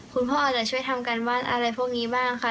คุณพ่ออาจจะช่วยทำการบ้านอะไรพวกนี้บ้างค่ะ